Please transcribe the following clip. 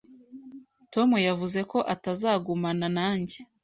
Tom yavuze ko atazagumana nanjye.